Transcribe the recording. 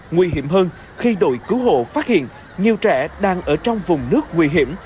nguy hiểm hơn khi đội cứu hộ phát hiện nhiều trẻ đang ở trong vùng nước nguy hiểm